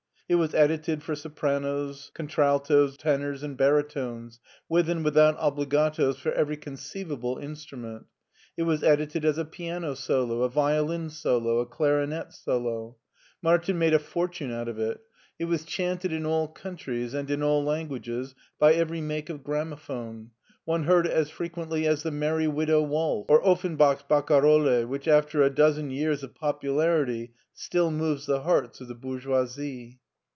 It was edited for sopranos, contraltos, tenors, and baritones, with and without obligatos for every con ceivable instrument. It was edited as a piano solo, a violin solo, a clarinet solo. Martin made a fortune out of it. It was chanted in all countries and in all lan guages by every make of gramophone. One heard it as frequently as the " Merry Widow " waltz, or Offen bach's "Barcarolle,'* which, after a dozen years of popularity still moves the hearts of the bourgeoisie.